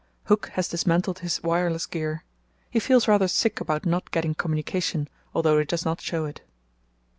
Hooke has dismantled his wireless gear. He feels rather sick about not getting communication, although he does not show it.